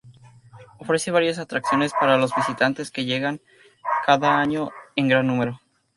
Ofrece varias atracciones para los visitantes, que llegan cada año en gran número.